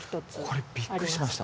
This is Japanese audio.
これびっくりしました。